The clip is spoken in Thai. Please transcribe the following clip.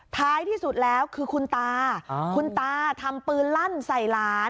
ท้ายที่สุดแล้วคือคุณตาคุณตาทำปืนลั่นใส่หลาน